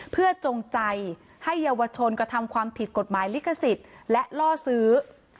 เพื่อจงใจให้เยาวชนกระทำความผิดกฎหมายลิขสิทธิ์และล่อซื้อ